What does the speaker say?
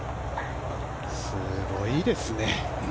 すごいですね。